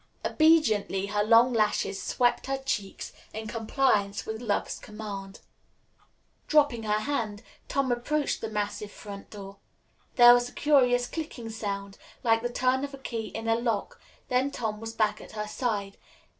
Obediently her long lashes swept her cheeks in compliance with love's command. Dropping her hand, Tom approached the massive front door. There was a curious clicking sound, like the turn of a key in a lock, then Tom was back at her side.